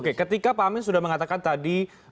oke ketika pak amin sudah mengatakan tadi